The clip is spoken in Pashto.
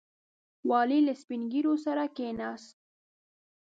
والي له سپین ږیرو سره کښېناست.